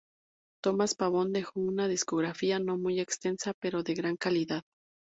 Tomás Pavón dejó una discografía no muy extensa, pero de gran calidad.